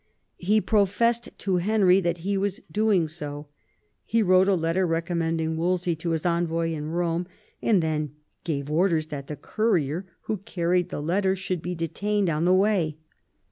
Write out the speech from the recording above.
He professed to Henry that he was doing so. He wrote a letter recommending Wolsey to his envoy in Eome, and then gave orders that the courier who carried the letter should be detained on the way.